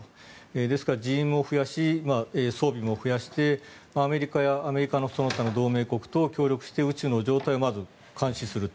ですから人員を増やし装備も増やしてアメリカや、アメリカのその他の同盟国と協力して宇宙の状態をまず監視する。